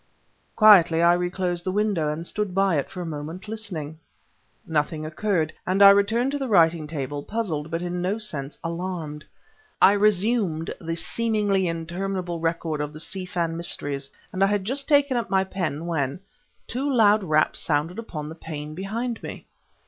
Quietly, I reclosed the window, and stood by it for a moment listening. Nothing occurred, and I returned to the writing table, puzzled but in no sense alarmed. I resumed the seemingly interminable record of the Si Fan mysteries, and I had just taken up my pen, when ... two loud raps sounded upon the pane behind me.